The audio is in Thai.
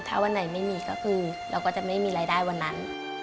ถ้าวันไหนไม่มีก็คือเราก็จะไม่มีรายได้วันนั้น